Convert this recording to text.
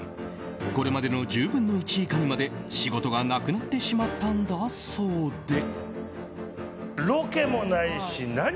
これまでの１０分の１以下にまで仕事がなくなってしまったんだそうで。